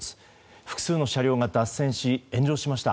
複数の車両が脱線し炎上しました。